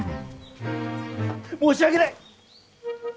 申し訳ない！